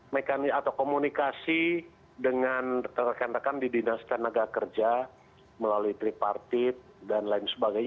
mekanisme atau komunikasi dengan rekan rekan di dinas tenaga kerja melalui tripartit dan lain sebagainya